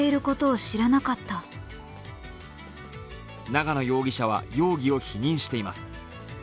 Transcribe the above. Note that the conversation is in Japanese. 長野容疑者は容疑を否認しています。